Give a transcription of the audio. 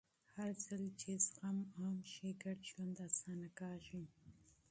هرځل چې زغم عام شي، ګډ ژوند اسانه کېږي.